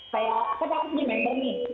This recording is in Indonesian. saya tapi aku punya member nih